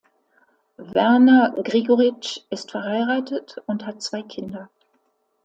Werner Gregoritsch ist verheiratet und hat zwei Kinder.